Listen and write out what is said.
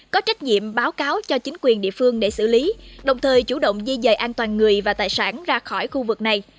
có trách nhiệm báo cáo cho chính quyền địa phương để xử lý đồng thời chủ động di dời an toàn người và tài sản ra khỏi khu vực này